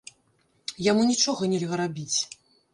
Яму нічога нельга рабіць.